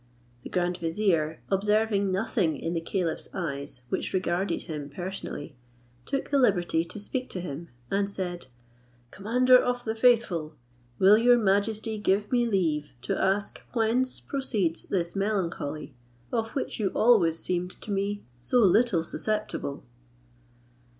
The grand vizier, observing nothing in the caliph's eyes which regarded him personally, took the liberty to speak to him, and said, "Commander of the faithful, will your majesty give me leave to ask whence proceeds this melancholy, of which you always seemed to me so little susceptible?"